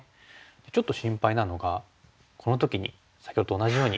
ちょっと心配なのがこの時に先ほどと同じように。